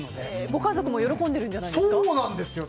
ご家族も喜んでるんじゃないですか？